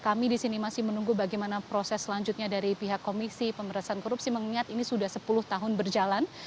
kami di sini masih menunggu bagaimana proses selanjutnya dari pihak komisi pemerintahan korupsi mengingat ini sudah sepuluh tahun berjalan